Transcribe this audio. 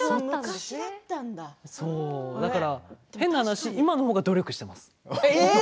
変な話、今のほうが努力しています。